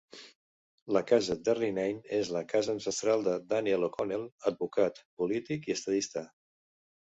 La Casa Derrynane és la llar ancestral de Daniel O'Connell, advocat, polític i estadista.